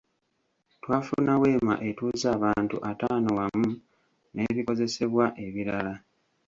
Twafuna weema etuuza abantu ataano wamu n’ebikozesebwa ebirala.